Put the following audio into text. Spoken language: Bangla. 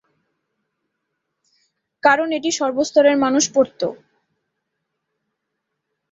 কারণ এটি সর্বস্তরের মানুষ পড়ত।